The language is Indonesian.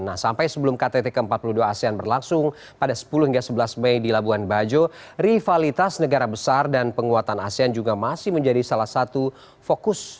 nah sampai sebelum ktt ke empat puluh dua asean berlangsung pada sepuluh hingga sebelas mei di labuan bajo rivalitas negara besar dan penguatan asean juga masih menjadi salah satu fokus